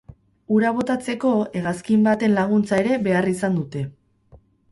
Ura botatzeko hegazkin baten laguntza ere behar izan dute.